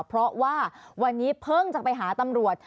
เพราะว่าวันนี้เพิ่งจะไปหาตำรวจ